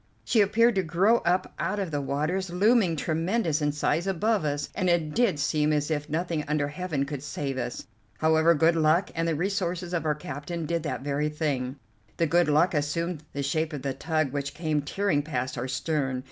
She appeared to grow up out of the waters; looming tremendous in size above us, and it did seem as if nothing under Heaven could save us. However, good luck and the resources of our captain did that very thing. The good luck assumed the shape of a tug which came tearing past our stern.